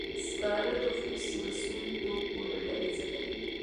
سکاره د فوسیل سون توکو له ډلې څخه دي.